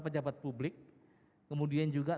pejabat publik kemudian juga